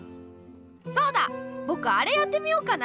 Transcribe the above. そうだぼくアレやってみようかな。